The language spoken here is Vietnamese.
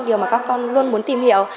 điều mà các con luôn muốn tìm hiểu